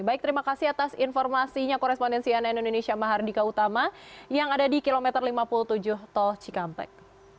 baik terima kasih atas informasinya korespondensi ann indonesia mahardika utama yang ada di kilometer lima puluh tujuh tol cikampek